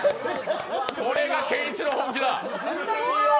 これがケンイチの本気だ。